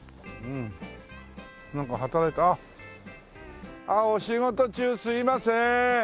なんか働いてあっお仕事中すいません。